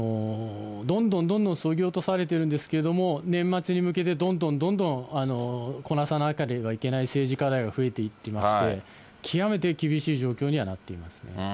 どんどんどんどんそぎ落とされているんですけれども、年末に向けてどんどんどんどんこなさなければいけない政治課題が増えていってまして、極めて厳しい状況にはなっていますね。